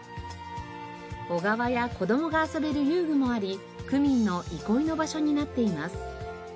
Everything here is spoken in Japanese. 小川や子どもが遊べる遊具もあり区民の憩いの場所になっています。